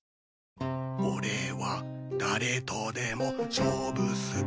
「俺は誰とでも勝負す」